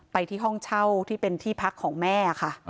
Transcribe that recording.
ไปที่ห้องเช่าที่เป็นที่พักของแม่ค่ะ